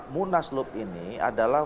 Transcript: munas loop ini adalah